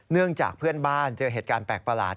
เนื่องจากเพื่อนบ้านเจอเหตุการณ์แปลกประหลาด